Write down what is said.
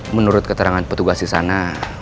menurut keterangan petugas disana